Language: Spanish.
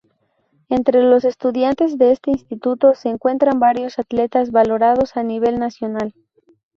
Entre los estudiantes de este instituto se encuentran varios atletas valorados a nivel nacional.